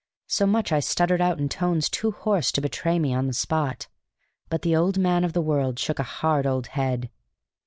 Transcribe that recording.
So much I stuttered out in tones too hoarse to betray me on the spot. But the old man of the world shook a hard old head.